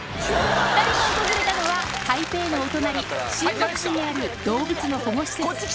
２人が訪れたのは台北のお隣新北市にある動物の保護施設